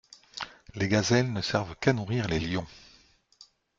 Les gazelles ne servent qu'à nourrir les lions.